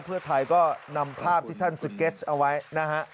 เพื่อถ่ายก็นำภาพที่ท่านเอาไว้นะคะ